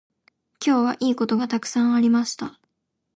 今日はいいことがたくさんありました。